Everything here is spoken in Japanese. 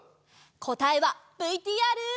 こたえはＶＴＲ。